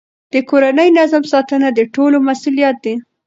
د کورني نظم ساتنه د ټولو مسئولیت دی.